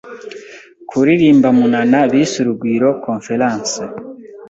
kuririmba munana bise Urugwiro conference ,